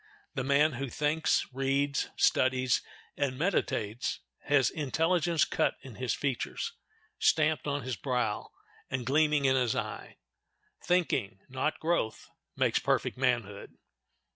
The man who thinks, reads, studies, and meditates has intelligence cut in his features, stamped on his brow, and gleaming in his eye. Thinking, not growth, makes perfect manhood.